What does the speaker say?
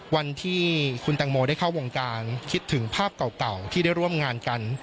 วันที่คุณแตงโมได้เข้าวงการคิดถึงภาพเก่าที่ได้ร่วมงานกัน